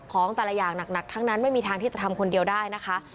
ของแต่ละอย่างหนักทั้งนั้นไม่มีทางที่จะทำคนเดียวได้นะคะ